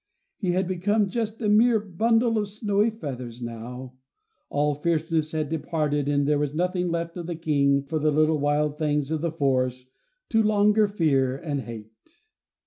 He had become just a mere bundle of snowy feathers now; all fierceness had departed, and there was nothing left of the King for the little wild things of the forest to longer fear and hate.